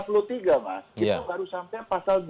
itu baru sampai pasal dua puluh